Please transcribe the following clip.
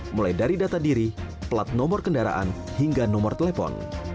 mulai dari data diri plat nomor kendaraan hingga nomor telepon